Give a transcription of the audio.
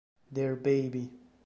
Their Baby